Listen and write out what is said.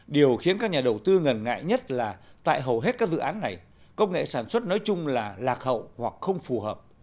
điều khiến các nhà đầu tư ngần ngại nhất là tại hầu hết các dự án này công nghệ sản xuất nói chung là lạc hậu hoặc không phù hợp